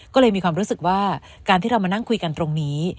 ก็เลยมีความรู้สึกว่าการที่เรามานั่งคุยกันตรงนี้